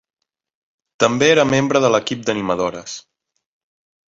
També era membre de l"equip d"animadores.